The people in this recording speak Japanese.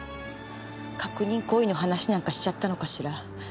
確認行為の話なんかしちゃったのかしら。